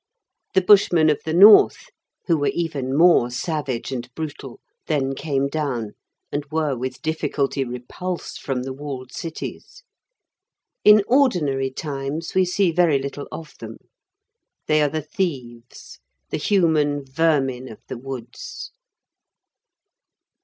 The Bushmen of the north, who were even more savage and brutal, then came down, and were with difficulty repulsed from the walled cities. In ordinary times we see very little of them. They are the thieves, the human vermin of the woods.